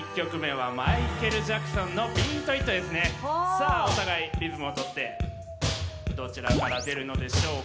さあお互いリズムを取ってどちらから出るのでしょうか。